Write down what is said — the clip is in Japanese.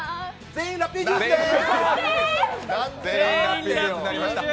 全員ラッピージュースです。